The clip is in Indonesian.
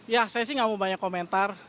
ya saya sih nggak mau banyak komentar